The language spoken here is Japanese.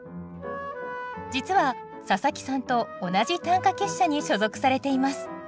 実は佐佐木さんと同じ短歌結社に所属されています。